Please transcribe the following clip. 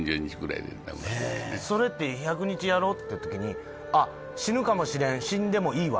それって１００日やろうってときに「あ死ぬかもしれん」